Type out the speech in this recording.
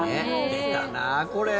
出たなあ、これ。